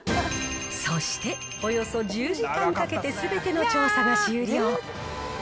そしておよそ１０時間かけてすべての調査が終了。